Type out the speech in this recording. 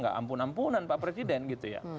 gak ampun ampunan pak presiden gitu ya